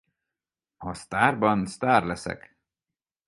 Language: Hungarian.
A Sztárban sztár leszek!